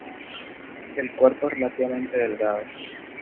El cuerpo es relativamente delgado.